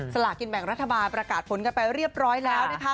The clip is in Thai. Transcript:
สลากินแบ่งรัฐบาลประกาศผลกันไปเรียบร้อยแล้วนะคะ